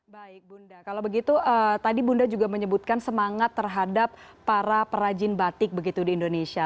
baik bunda kalau begitu tadi bunda juga menyebutkan semangat terhadap para perajin batik begitu di indonesia